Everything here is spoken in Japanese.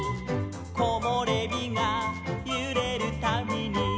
「こもれびがゆれるたびに」